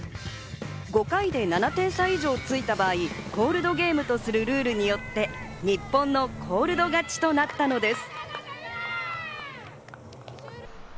５回で７点差以上ついた場合、コールドゲームとするルールによって日本のコールド勝ちとなったのです。